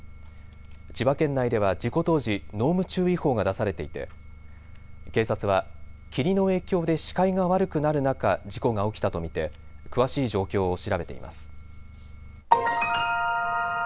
千葉県内では事故当時、濃霧注意報が出されていて警察は霧の影響で視界が悪くなる中、事故が起きたと見て詳しい状況を調べています。